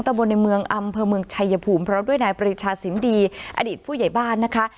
บนในเมืองอำเภอเมืองชายภูมิพร้อมด้วยนายปริชาสิมดีอดีตผู้ใหญ่บ้านนะคะ